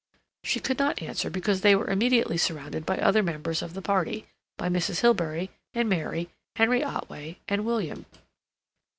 She could not answer because they were immediately surrounded by other members of the party—by Mrs. Hilbery, and Mary, Henry Otway, and William.